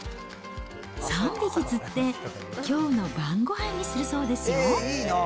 ３匹釣ってきょうの晩ごはんにするそうですよ。